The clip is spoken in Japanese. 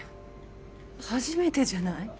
初めてじゃない？